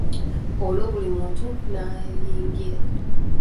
Olwo buli muntu n'ayingira.